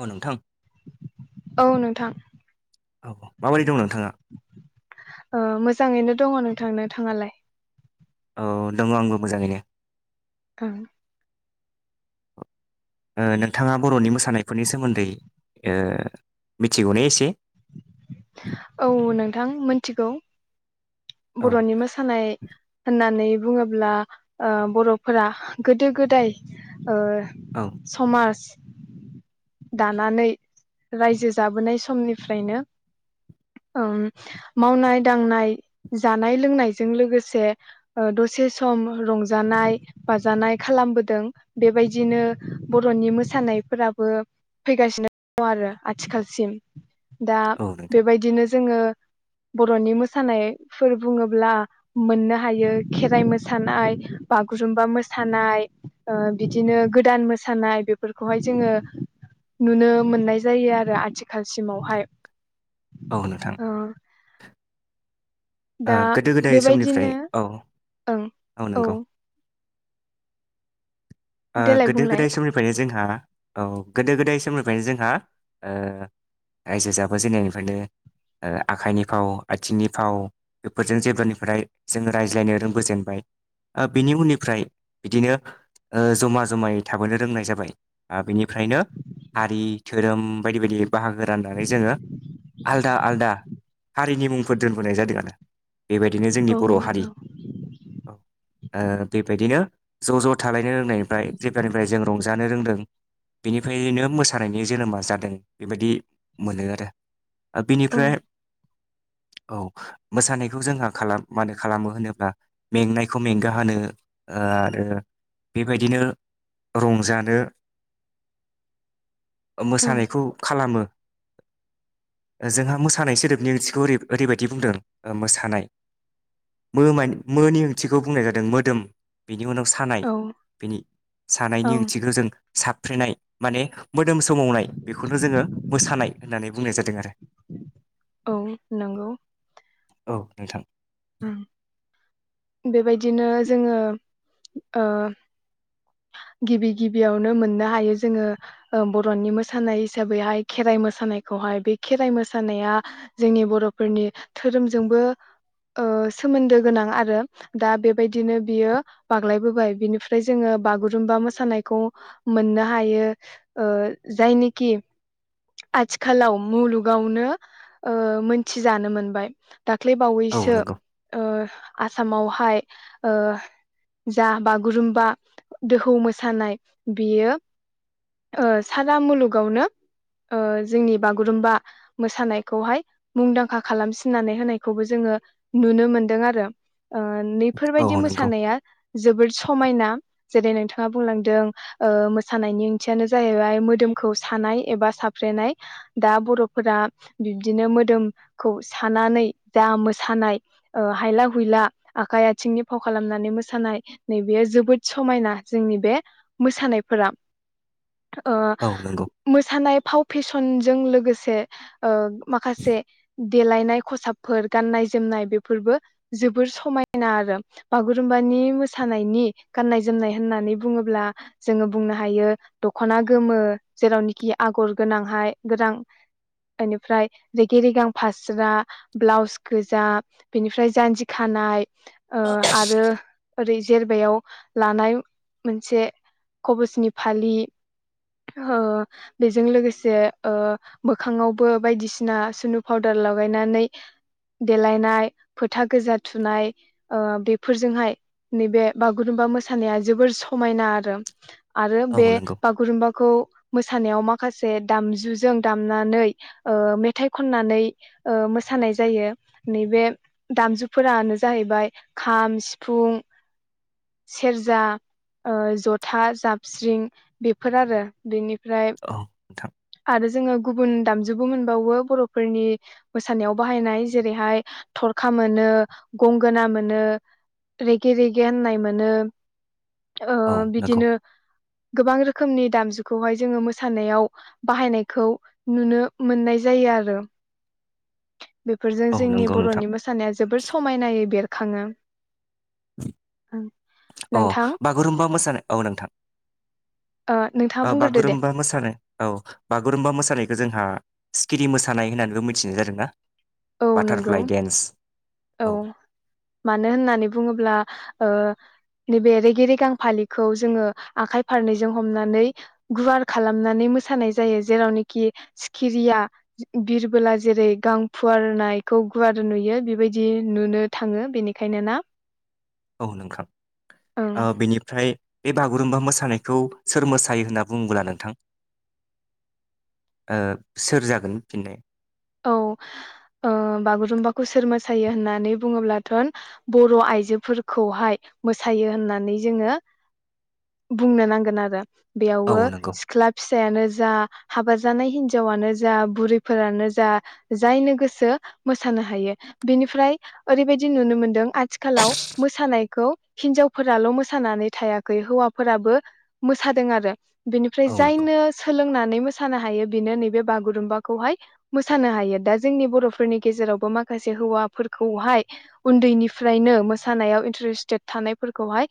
अ नोंथां औ नोंथां औ माबायदि दं नोंथाङा? ओ मोजाङैनो दङ नों थांनो थाङालाय औ दङ आंबो मोजाङैनो। ओ ओ नोंथाङा बर'नि मोसानायफोरनि सोमोन्दै ओ मिथिगौने एसे। औ नोंथां मिथिगौ। औ बर'नि मोसानाय होननानै बुङोब्ला ओ बर'फोरा गोदो गोदाय ओ औ समाज दानानै रायजो जाबोनाय समनिफ्रायनो ओम मावनाय दांनाय जानाय लोंनायजों लोगोसे दसे सम रंजानाय बाजानाय खालामबोदों बेबायदिनो बर'नि मोसानायफोराबो फैगासिनो दङ आरो आथिखालसिम। दा औ नोंथां बेबायदिनो जोङो बर'नि मोसानाय फोर बुङोब्ला मोननो हायो खेराइ मोसानाय, बागुरुम्बा मोसानाय बिदिनो गोदान मोसानाय बेफोरखौहाय जोङो नुनो मोननाय जायो आरो आथिखालसिमावहाय औ नोंथां। ओ आ दा गोदो गोदाय समनिफ्राय बेबायदिनो औ ओं औ नंगौ। औ ओ देलाय गोदो बुंलाय गोदाय समनिफ्रायनो जोंहा। औ गोदो गोदाय समोमनिफ्रायनो जोंहा ओ रायजो जाबो जेननायनिफ्रायनो आखाइनि फाव आथिंनि फाव बेफोरजों जेब्लानिफ्राय जोङो रायज्लायनो रोंबोजेनबाय बिनि उननिफ्राय बिदिनो ओ जमा जमायै थाबोनो रोंनाय जाबाय बेनिफ्रायनो हारि धोरोम बायदि बायदि। बाहागो राननानै जोङो आलदा आलदा हारिनि मुंफोर दोनबोनाय जादों आरो बेबायदिनो जोंनि औ बर' हारि नंगौ ओ बेबायदिनो ज'ज' थालायनो रोंनायनिफ्राय जेब्लानिफ्राय जों रंजानो रोंदों बेनिफ्रायनो मोसानायनि जोनोमा जादों। बेबायदि मोनो आरो ओ औ बेनिफ्राय औ मोसानायखौ जोंहा खालाम मानो खालामो होनोब्ला मेंनायखौ मेंगा होनो ओ बेबायदिनो रंजानो औ मोसानायखौ खालामो। जोंहा मोसानाय सोदोबनि ओंथिखौ ओरैबायदि बुंदों। मोसानाय मोनि ओंथिखौ बुंनाय जादों मोदोम बेनि उनाव सा औ बिनि सानायनि औ ओंथिखौ जों साबफ्रेनाय माने मोदोम सोमावनाय बेखौनो जोङो मोसानाय होननानै बुंनाय जादों। आरो औ औ नोंथां होम बेबायदिनो जोङो ओ गिबि गिबियावनो मोननो हायो जोङो बर'नि मोसानाय हिसाबैहाय खेराइ मोसानायखौहाय बे खेराइ मोसानाया जोंनि बर'फोरनि धोरोमजोंबो ओ सोमोन्दो गोनां आरो दा बेबायदिनो बियो बाग्लायबोबाय बिनिफ्राय जोङो बागुरुम्बा मोसानायखौ मोननो हायो ओ जायनिखि आथिखालाव मुलुगावनो ओ मोनथिजानो मोनबाय औ दाख्लैबावैसो नंगौ ओ आसामावहाय ओ जा बागुरुम्बा दोहौ मोसानाय बियो ओ सारा मुलुगावनो ओ जोंनि बागुरुम्बा मोसानायखौहाय मुंदांखा खालामसिननानै होनायखौबो जोङो नुनो मोनदों आरो ओ औ नैफोरबायाददि नंगौ मोसानाया जोबोद समायना जेरै नोंथाङा बुंलांदों ओ मोसानायनि ओंथियानो जाहैबाय मोदोमखौ सानाय एबा साफ्रेनाय दा बर'फोरा बिब्दिनो मोदोमखौ सानानै जा मोसानाय ओ हायला हुइला आखाइ आथिंनि फाव खालामनानै मोसानाय नैबेयो जोबोद समायना जोंनि बे मोसानायफोरा ओ औ नंगौ मोसानाय फाव फेसन नं जों लोगोसे ओ माखासे देलायनाय खसाबफोर गाननाय जोमनाय बेफोर बेफोरबो जोबोर समायना आरो बागुरुम्बानि मोसानायनि गाननाय जोमनाय होननानै बुङोब्ला जोङो बुंनो हायो दखना गोमो जेरावनोखि आगर गोनांहाय गोनां बेनिफ्राय रेगे रेगां फास्रा ब्लाउस गोजा बेनिफ्राय जान्जि खानाय ओ आरो ओरै जेरबायाव लानाय मोनसे खबसनि फालि ओ बेजों लोगोसे ओ मोखाङावबो बायदिसिना सिनदुर पाउदार लगायनानै देलायनाय फोथा गोजा थुनाय ओ बेफोरजोंहाय नैबे बागुरुम्बा मोसानाया जोबोर समायना आरो आरो औ बे नंगौ बागुरुम्बाखौ मोसानायाव माखासे दामजुजों दामनानै ओ मेथाइ खननानै ओह मोसानाय जायो नैब दामजुफोरानो जाहैबाय खाम सिफुं सेरजा ओ जथा जाबस्रिं बेफोर आरो बेनि ओमफ्राय औ नोंथां आरो जोङो गुबुन दामजुबो मोनबावो बर'फोरनि मोसानायाव बाहायनाय जेरैहाय थर खा मोनो गंगोना मोनो रेगे रेगे होननाय मोनो औ ओह नंगौ बिदिनो गोबां रोखोमनि दामजुखौहाय जोंङो मोसानायाव बाहायनायखौ नुनो मोननाय जायो आरो बेफोरजों औ जोंनि नंगौ नोंथां बर'नि मोस सानाया जोबोर समायनायै बेरखाङो उम ओं औ बागुरुमबा मोसानाय औ नोंथां ओ नोंथाङा औ बुंग्रोदो दे बागुरुम्बा मोसानाय औ बागुरुम्बा मोसानायखौ जोंहा सिखिरि मोसानाय होननानैबो मिथिनाय जादों ना? औ नंगौ औ मानो होननानै बुङोब्ला? ओ नैबे रेगेेरेगां फालिखौ जोङो आखाइ फारनैजों हमनानै गुवार खालामनानै मोसानाय जायो जेरावनोखि सिखिरिया बिरबोला जेरै गां फुवारनायखौ गुवार नुयो बेबायदि नुनो थाङो बेनिखायनो ना औ नोंथां ओं बेनिफ्राय बे बागुरुम्बा मोसानाय मोसानायखौ सोर मोसायो होनना बुङोब्ला नोंथां? ओह सोर जागोन फिननाय? औ ओह बागुरुम्बाखौ सोर मोसायो होननानै बुङोब्लाथ', बर' आइजोफोरखौहाय मोसायो होननानै जोङो बुंनो नांगोन आरो। औ बेयावबो नंगौ सिख्ला फिसायानो जा हाबा जानाय हिनजावानो जा बुरैफोरानो जा। जा जायनो गोसो मोसानो हायो, बेनिफ्राय ओरैबायदि नुनो मोनदों आथिखालाव मोसानायखौ हिनजावफोराल' मोसानानै थायाखै हौवाफोराबो मोसादों आरो। बेनिफ्राय औ नंगौ जायनो सोलोंना नै मोसानो हायो बिनो नैबे बागुरुम्बाखौहाय मोसानो हायो दा जोंनि बर'फोरनि गेजेरावबो माखासे हौवाफोरखौहाय उन्दैनिफ्रायनो मोसानायाव इनट्रेस्टेड थानायफोरखौहाय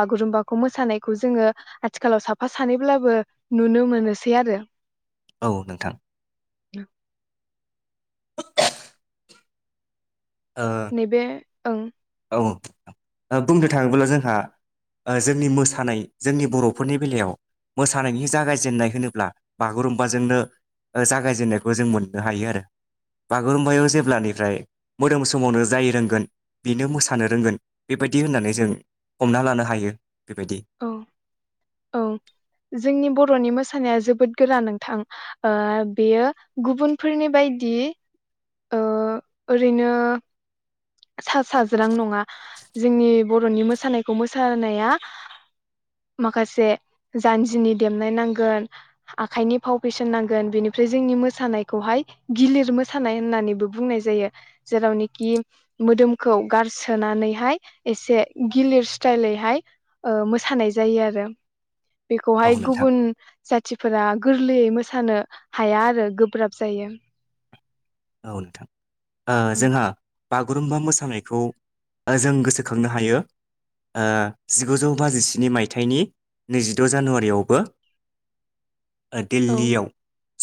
बागुरुम्बाखौ मोसानायखौ जोङो, आथिखालाव साफा सानैब्लाबो नुनो मोनोसै आरो। औ नोंथां ओ नैबे ओं औ, बुंनो थाङोब्ला जोंहा ओ जोंनि मोसानाय जोंनि बर'फोरनि बेलायाव मोसानायनि जागायजेनन्नाय होनोब्ला बागुरुमबाजोंनो जागायजेननायखौ जों मोननो हायो आरो, बागुरुम्बायाव जेब्लानिफ्राय मोदोम सोमावनो जायो रोंगोन बिनो मोसानो रोंगोन, बेबायदि होननानै जों हमना लानो हायो। बेबायदि औ औ जोंनि बर'नि मोस थानाया जोबोद गोरा नोंथां ओ बेयो गुबुनफोरनि बायदि ओ ओरैनो सा साज्रां नङा जोंनि बर'नि मोसानायखौ मोसानाया, माखासे जानजिनि देमनाय नांगोन आखाइनि फाव-फेसन नांगोन बेनिफ्राय जोंनि मोसानायखौहाय गिलिर मोसानाय होननानैबो बुंनाय जायो, जेरावनोखि मोदोमखौ गारसोनानैहाय एसे गिलिर स्टाइलैहाय मोसानाय जायो आरो। औ बेखौहाय नोंथां गुबुन जाथिफोरा गोर गोरलैयै मोसानो हाया आरो गोब्राब जायो। औ नोंथां ओ जोंहा बाग गुरुमबा मोसानायखौ ओ जों गोसोखांनो हायो, ओ जिगुजौ बाजिस्नि मायथाइनि नैजिद' जानुवारियावबो। ओ औ दिल्लीयाव।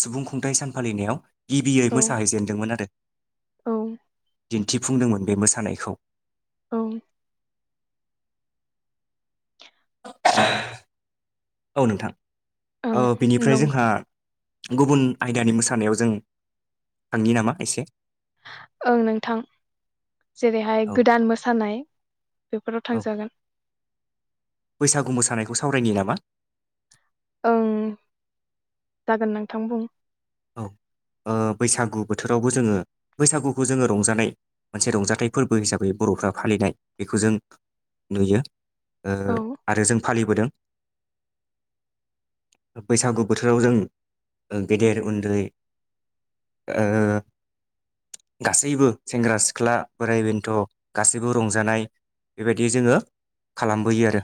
सुबुं खुंथाइ सान फालिनायाव। गिबियै औ मोस दोंमोन आदो औ दिन्थिफुंदोंमोन बे मोसानायखौ। औ [inaudible] औ नोंथां। औ ओं बिनिफ्राय जोंहा नंगौ गुबुन आयदानि मोसानायाव जों थांनि नामा एसे? ओं नोंथां। जेरैहाय औ गोदान मोसानाय बेफोराव औ थांजागोन। फावरायनि नामा। ओं जागोन नोंथां बुं। औ ओ बैसागु बोथोरावबो जोङो बैसागुखौ जोङो रंजानाय मोनसे रंजाथाइ फोरबो हिसाबै बर'फ्रा फालिनाय बेखौ जों नुयो। ओ औ आरो जों फालिबोदों। बैसागु बोथोराव जों गेदेर उन्द दै ओ गासैबो सेंग्रा सिख्ला बोराइ बेन्थ' गासैबो रंजानाय बेबायदि जोङो खालामबोयो आरो।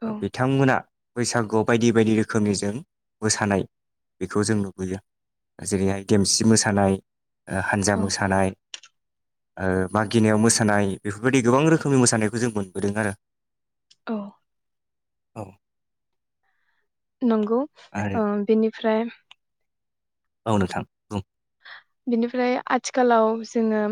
औ बिथांमोना बैसागुआव बायदि बायदि रोखोमनि जों मोसानाय बेखौ जों नुबोयो जेरैहाय देमसि मोसानाय ओ हानजा औ मोसानाय ओ मागिनायाव मोसानाय बेफोरबायदि गोबां रोखोमनि मोसानायखौ जों मोनबोदों आरो। औ। औ। नंगौ आरो ओ बेनिफ्राय औ नोंथां बुं बिनिफ्राय आथिखालाव जोङो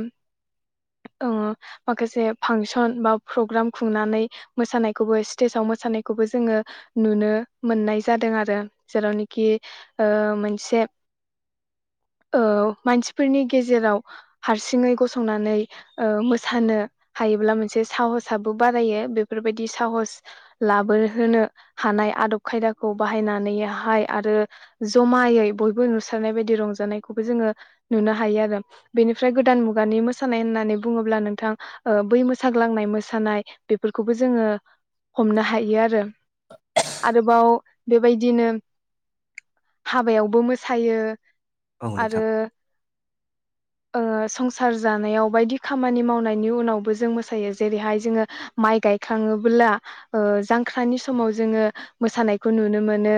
ओं माखासे फांसन बा प्रग्राम खुंनानै मोसानायखौबो स्टेजाव मोसानायखौबो जोङो नुनो मोननाय जादों आरो जेरावनोखि ओ मोनसे औ मानसिफोरनि गेजेराव हारसिङै गसंनानै ओ मोसानो हायोब्ला मोनसे साहसाबो बारायो बेफोरबायदि साहस लाबोहोनो हानाय आदब खायदाखौ बाहायनानैहाय आरो जमायै बयबो नुसारनाय बायदि रंजानायखौबो जोङो नुनो हायो आरो बेनिफ्राय गोदान मुगानि मोसानाय होननाय होननानै बुङोब्ला नोंथां ओ बै मोसाग्लांनाय मोसानाय बेफोरखौबो जोङो हमनो हायो आरो आरोबाव बेबायदिनो हाबायावबो मोसायो औ आरो। नोंथां ओ संसार जानायाव बायदि खामानि मावनायनि उनावबो जों मोसायो जेरैहाय जोङो माइ गायखाङोब्ला जांख्रानि समाव जोङो मोसानायखौ नुनो मोनो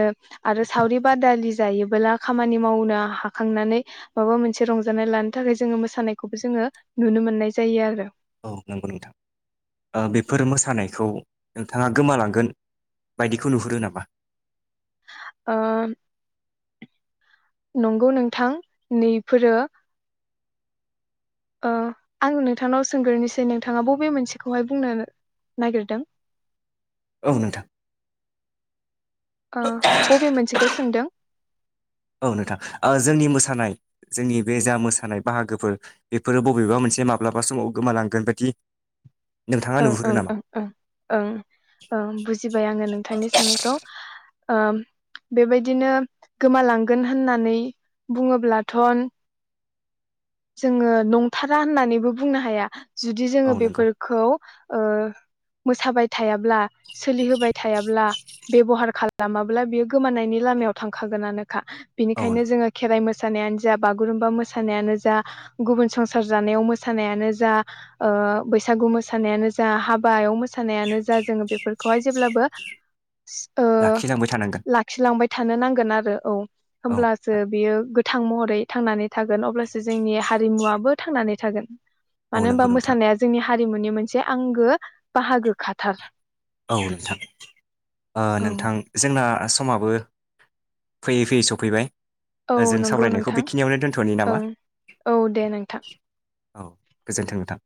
आरो सावरि बादालि जायोबोला खामानि मावनो हाखांनानै माबा मोनसे रंजानाय लानो थाखाय जोङो मोसानायखौबो जोङो नुनो मोननाय जायो आरो। औ नंगौ नोंथां ओ बेफोर मोसानायखौ नोंथाङा गोमालांगोन बायदिखौ नुहुरो नामा ओ। नंगौ नोंथां बेफोरो ओ आं नोंथांनाव सोंगोरोनिसै नोंथाङा बबे मोनसेखौहाय बुंनो नागिरदों औ नोंथां। ओ बबे मोनसेखौ सोंदों। औ नोंथां ओ जोंनि मोसानाय जोंनि बे जा मोसानाय बाहागोफोर बेफोरो बबेबा मोनसे माब्लाबा समाव गोमालांगोन बायदि नोंथाङा ओं नुहुरो ओं नामा? ओं ओं ओं ओं बुजिबाय आङो नोंथांनि सोंनायखौ ओ बेबायदिनो गोमालांगोन होननानै बुङोब्लाथ' जोङो नंथारा होननानैबो बुंनो हाया जुदि औ जोङो नंगौ बेफोरखौ ओ मोसाबाय थायाब्ला सोलिहोबाय थायाब्ला बेबहार खालामाब्ला बियो गोमानायनि लामायाव थांखागोनानो खा औ बेनिखायनो नंगौ जोङो खेराइ मोस मोसानायानो जा बागुरुम्बा मोसानायानो जा। गुबुन संसार जानायाव मोसानायानो जा ओ बैसागु मोसानायानो जा हाबायाव मोसानाय मोसानायानो जा जोङो बेफोरखौहाय जेब्लाबो औ लाखिलांबाय थानांगोन लाखिलांबाय थानो नांगोन आरो औ औ होमब्लासो बियो थां महरै थांनानै थागोन अब्लासो जोंनि हारिमुवाबो थांनानै थागोन। औ मानो होनबा नंगौ नोंथां मोसानाया जोंनि हारिमुनि मोनसे आंगो बाहागो खाथार। औ नोंथां ओ औ नोंथां जोंना समाबो फैयै फैयै सफैबाय। औ ओ जों नोंगौ सावरायनायखौ नोंथां बेखिनियावनो दोनथ'नि नामा? ओं, औ दे नोंथां। औ गोजोन्थों नोंथां।